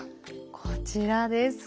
こちらですか。